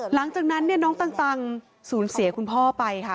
หลังจากนั้นเนี่ยน้องตังสูญเสียคุณพ่อไปค่ะ